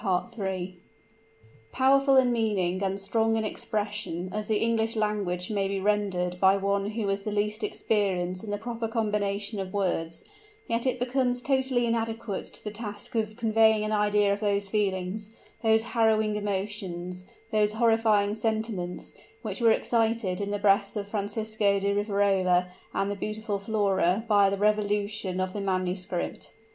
Powerful in meaning and strong in expression as the English language may be rendered by one who has the least experience in the proper combination of words, yet it becomes totally inadequate to the task of conveying an idea of those feelings those harrowing emotions those horrifying sentiments, which were excited in the breasts of Francisco di Riverola and the beautiful Flora by the revolution of the manuscript.